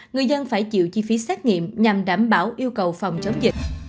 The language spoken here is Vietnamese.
người dân phải chịu chi phí xét nghiệm nhằm đảm bảo yêu cầu phòng chống dịch